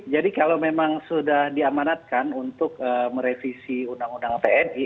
jadi kalau memang sudah diamanatkan untuk merevisi undang undang pni